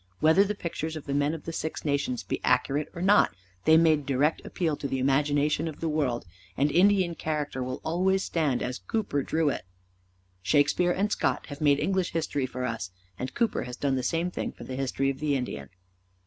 Whether the pictures of the men of the Six Nations be accurate or not they made direct appeal to the imagination of the world, and Indian character will always stand as Cooper drew it. Shakespeare and Scott have made English history for us, and Cooper has done the same thing for the history of the Indian.